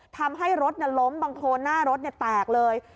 ทำให้รถล้มบางโครนหน้ารถแตกเลย